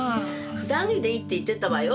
普段着でいいって言ってたわよ。